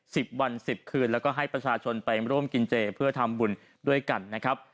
สิบวันสิบคืนแล้วก็ให้ประชาชนไปร่วมกินเจเพื่อทำบุญด้วยกันนะครับ